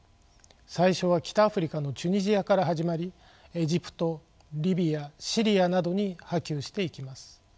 最初は北アフリカのチュニジアから始まりエジプトリビアシリアなどに波及していきます。